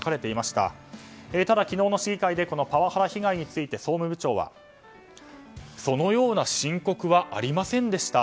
ただ昨日の市議会でパワハラ被害について総務部長はそのような申告はありませんでした。